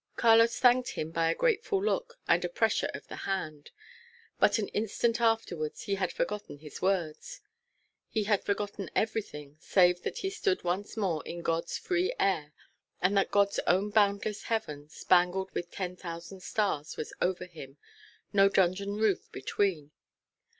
Carlos thanked him by a grateful look and a pressure of the hand. But an instant afterwards he had forgotten his words. He had forgotten everything save that he stood once more in God's free air, and that God's own boundless heaven, spangled with ten thousand stars, was over him, no dungeon roof between.